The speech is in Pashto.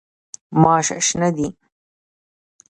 ماش شنه دي.